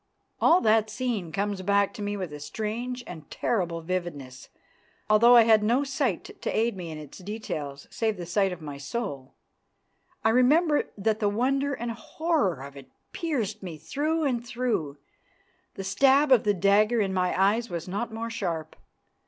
All that scene comes back to me with a strange and terrible vividness, although I had no sight to aid me in its details, save the sight of my soul. I remember that the wonder and horror of it pierced me through and through; the stab of the dagger in my eyes was not more sharp.